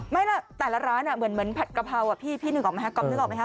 นี่คือแต่ละร้านเหมือนผัดกะเพราพี่นึกออกมั้ยค่ะ